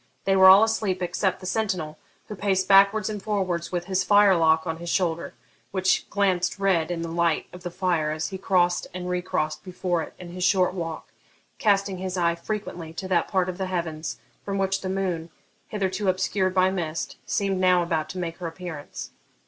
They were all asleep except the sentinel, who paced backwards and forwards with his firelock on his shoulder, which glanced red in the light of the fire as he crossed and re crossed before it in his short walk, casting his eye frequently to that part of the heavens from which the moon, hitherto obscured by mist, seemed now about to make her appearance.